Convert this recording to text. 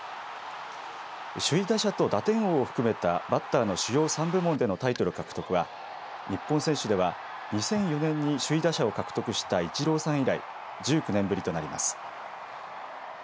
首位打者と打点王を含めたバッターの主要３部門でのタイトル獲得は日本選手では２００４年に首位打者を獲得したイチローさん以来１９年ぶりとなります。